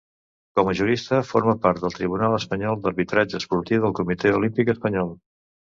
Com a jurista, forma part del Tribunal Espanyol d'Arbitratge Esportiu del Comitè Olímpic Espanyol.